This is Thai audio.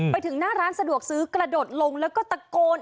ไปถึงหน้าร้านสะดวกซื้อกระโดดลงแล้วก็ตะโกน